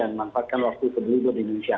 yang memanfaatkan waktu kebeli beli di indonesia